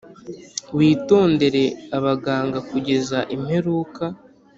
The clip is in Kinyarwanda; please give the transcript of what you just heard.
witondere abaganga kugeza imperuka